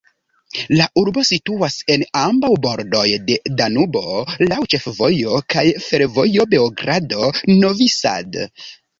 La urbo situas en ambaŭ bordoj de Danubo, laŭ ĉefvojo kaj fervojo Beogrado-Novi Sad.